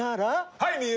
はい！